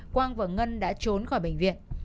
quang và ngân đã trốn khỏi bệnh viện